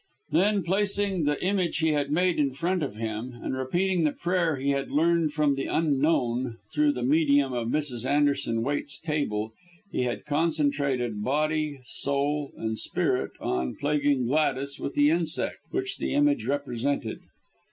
Then, placing the image he had made in front of him, and repeating the prayer he had learned from the Unknown, through the medium of Mrs. Anderson Waite's table, he had concentrated body, soul, and spirit on plaguing Gladys with the insect, which the image represented.